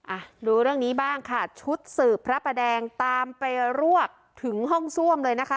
อ่ะดูเรื่องนี้บ้างค่ะชุดสืบพระประแดงตามไปรวบถึงห้องซ่วมเลยนะคะ